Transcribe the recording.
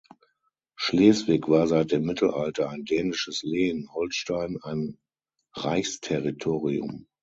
Schleswig war seit dem Mittelalter ein dänisches Lehen, Holstein ein Reichsterritorium.